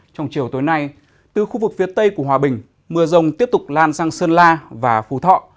trong chiều tối nay từ khu vực phía tây của hòa bình mưa rông tiếp tục lan sang sơn la và phú thọ